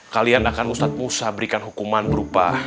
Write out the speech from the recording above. kalian akan ustadz musa berikan hukuman berupa